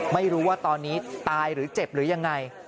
ไม่รู้ว่าตอนนี้ตายหรือเจ็บหรือยังไง